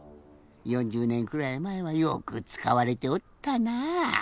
４０ねんくらいまえはよくつかわれておったなあ。